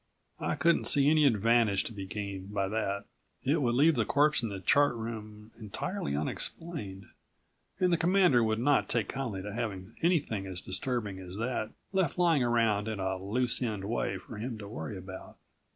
I couldn't see any advantage to be gained by that. It would leave the corpse in the Chart Room entirely unexplained and the Commander would not take kindly to having anything as disturbing as that left lying around in a loose end way for him to worry about.